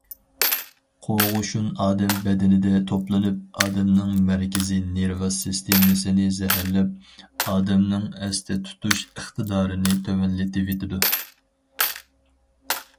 قوغۇشۇن ئادەم بەدىنىدە توپلىنىپ، ئادەمنىڭ مەركىزىي نېرۋا سىستېمىسىنى زەھەرلەپ، ئادەمنىڭ ئەستە تۇتۇش ئىقتىدارىنى تۆۋەنلىتىۋېتىدۇ.